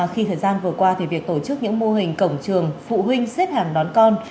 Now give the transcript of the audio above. khi thời gian vừa qua thì việc tổ chức những mô hình cổng trường phụ huynh xếp hàng đón con